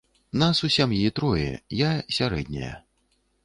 Нас у сям'і трое, я сярэдняя.